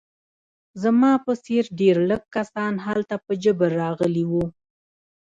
زما په څېر ډېر لږ کسان هلته په جبر راغلي وو